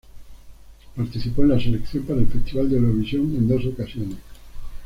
Participó en la selección para el Festival de Eurovisión en dos ocasiones.